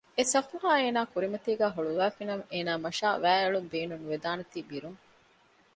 އެސަފުހާ އޭނާ ކުރިމަތީގައި ހުޅުވައިފިނަމަ އޭނާ މަށާ ވައިއެޅެން ބޭނުން ނުވެދާނެތީ ބިރުން